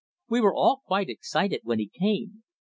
We were all quite excited when he came.